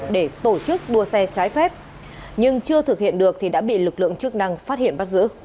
để tổ chức đua xe trái phép